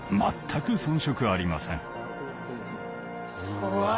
すごい。